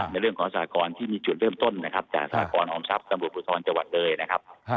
ในเรื่องของสากรที่มีจุดเริ่มต้นนะครับจากสากรออมทรัพย์ตำรวจภูทรจังหวัดเลยนะครับ